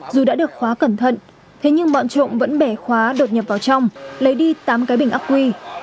dù đã được khóa cẩn thận thế nhưng bọn trộm vẫn bẻ khóa đột nhập vào trong lấy đi tám cái bình ác quy